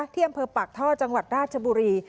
เที่ยวอำเภอปักธวรรษ์จังหวัดราชบุรี